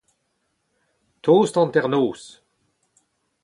tost hanternoz